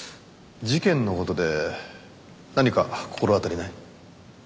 事件の事で何か心当たりない？